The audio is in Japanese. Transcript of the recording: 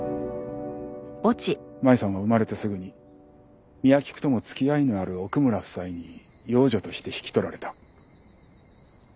麻衣さんは生まれてすぐにみや喜久とも付き合いのある奥村夫妻に養女として引き取られた。